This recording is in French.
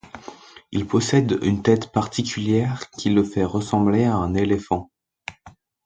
Il possède une tête particulière qui le fait ressembler à un éléphant.